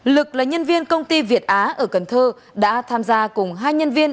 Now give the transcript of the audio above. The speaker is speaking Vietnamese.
lực là nhân viên công ty việt á ở cần thơ đã tham gia cùng hai nhân viên